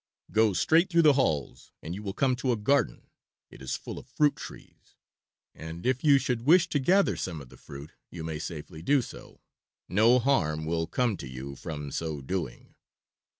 Go straight through the halls and you will come to a garden; it is full of fruit trees, and if you should wish to gather some of the fruit you may safely do so; no harm will come to you from so doing.